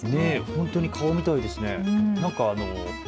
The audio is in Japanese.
本当に顔みたいですね。